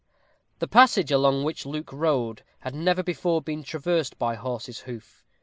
The passage along which Luke rode had never before been traversed by horse's hoof.